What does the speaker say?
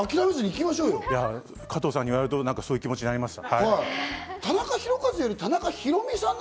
加藤さんに言われるとそういう気持ちになりました。